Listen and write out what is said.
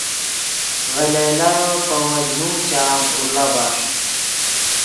ڤے لیلیو پے مجنون چام اوݱڑا بݰ